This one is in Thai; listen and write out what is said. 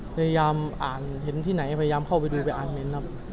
พยายามอ่านเห็นที่ไหนพยายามเข้าไปดูไปอ่านเมนต์ครับ